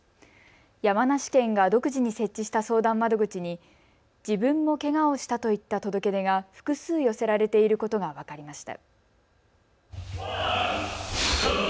山梨県が独自に設置した相談窓口に自分もけがをしたといった届け出が複数寄せられていることが分かりました。